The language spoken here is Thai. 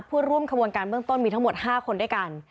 ผู้ร่วมขบวนการเบื้องต้นมีทั้งหมด๕คนด้วยกัน